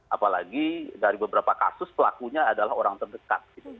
apalagi dari beberapa kasus pelakunya adalah orang terdekat